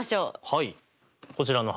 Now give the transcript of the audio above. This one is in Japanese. はい。